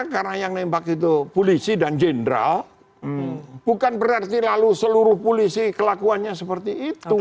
karena yang nembak itu polisi dan jenderal bukan berarti lalu seluruh polisi kelakuannya seperti itu